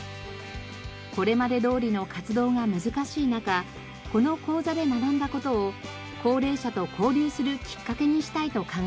これまでどおりの活動が難しい中この講座で学んだ事を高齢者と交流するきっかけにしたいと考えています。